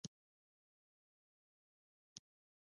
آزاد تجارت مهم دی ځکه چې فضايي څېړنې ملاتړ کوي.